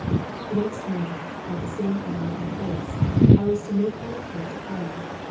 The next morning, at the same hour and place, I was to make my report to Clara.